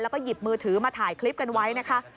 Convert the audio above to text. แล้วก็หยิบมือถือมาถ่ายคลิปกันไว้นะคะ